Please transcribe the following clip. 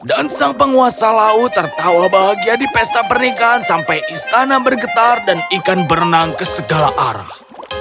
dan sang penguasa laut tertawa bahagia di pesta pernikahan sampai istana bergetar dan ikan berenang ke segala arah